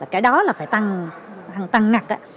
cái đó là phải tăng ngặt